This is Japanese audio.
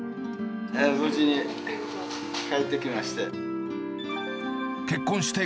無事に帰ってきまして。